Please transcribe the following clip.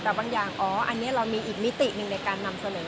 แต่บางอย่างอ๋ออันนี้เรามีอีกมิติหนึ่งในการนำเสนอ